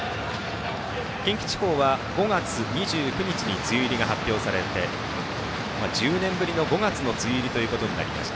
近畿地方は５月２９日に梅雨入りが発表されて１０年ぶりの５月の梅雨入りとなりました。